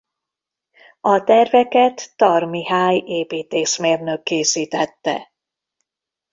A terveket Tar Mihály építészmérnök készítette.